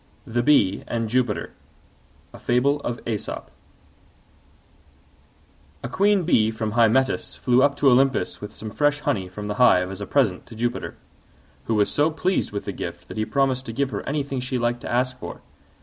THE BEE AND JUPITER A Queen Bee from Hymettus flew up to Olympus with some fresh honey from the hive as a present to Jupiter, who was so pleased with the gift that he promised to give her anything she liked to ask for.